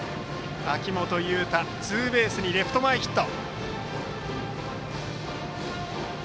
秋元悠汰、ツーベースにレフト前ヒット。